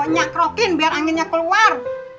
nyak krokin biar anginnya keluar